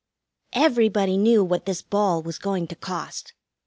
Everybody knew what this ball was going to cost.